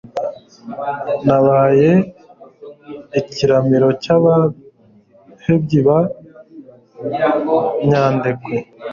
nabaye ikiramiro cy'abahebyi ba nyandekwe